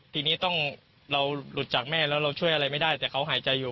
ทีนี้ต้องเราหลุดจากแม่แล้วเราช่วยอะไรไม่ได้แต่เขาหายใจอยู่